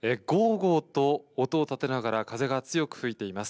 ごーと音を立てながら、風が強く吹いています。